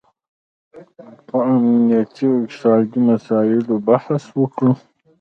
په امنیتي او اقتصادي مساییلو بحث وکړي